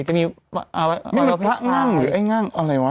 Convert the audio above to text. ไอ้ง่างหรือไอ้ง่างอะไรวะ